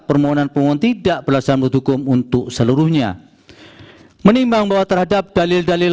permohonan pemohon tidak berdasarkan hukum untuk seluruhnya menimbang bahwa terhadap dalil dalil